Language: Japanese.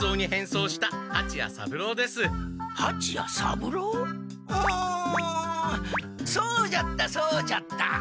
うむそうじゃったそうじゃった！